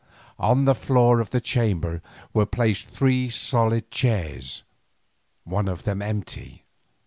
On the floor of the chamber were placed three solid chairs, one of them empty.